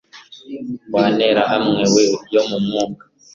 wa nterahamwe we yo mumwuka